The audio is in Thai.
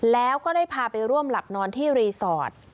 แล้วก็ได้พาไปร่วมหลับนอนที่รีสอร์ท